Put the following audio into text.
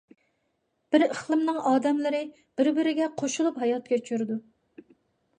بىر ئىقلىمنىڭ ئادەملىرى بىر - بىرىگە قوشۇلۇپ ھايات كەچۈرىدۇ.